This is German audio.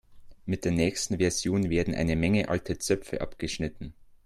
Mit der nächsten Version werden eine Menge alte Zöpfe abgeschnitten.